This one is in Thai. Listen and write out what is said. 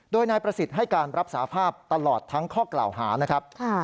โดยนายประสิทธิ์ให้การรับสาภาพตลอดทั้งข้อกล่าวหานะครับ